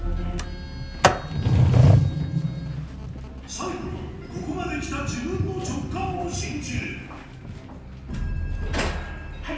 最後はここまで来た自分の直感を信じるはい。